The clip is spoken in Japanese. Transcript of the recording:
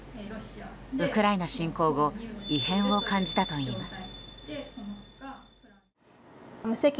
ウクライナ侵攻後異変を感じたといいます。